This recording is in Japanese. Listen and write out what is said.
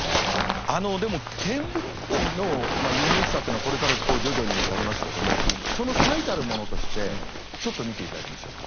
あのでもケンブリッジのユニークさっていうのはこれから徐々にやりますけどもその最たるものとしてちょっと見ていただきましょうか？